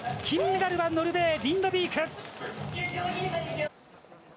金メダルはノルウェーリンドビーク。